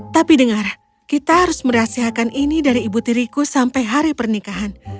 tapi dengar kita harus merahasiakan ini dari ibu tiriku sampai hari pernikahan